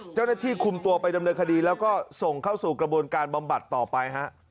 เจ้าหน้าที่คุมตัวไปดำเนินคดีแล้วก็ส่งเข้าสู่กระบวนการบำบัดต่อไปฮะ